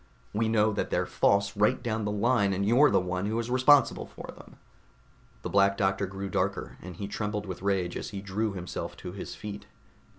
We know that they're false right down the line and that you're the one who is responsible for them." The Black Doctor grew darker, and he trembled with rage as he drew himself to his feet.